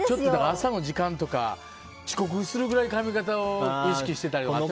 朝の時間とか、遅刻するくらい髪形を意識してたりね。